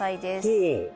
ほう！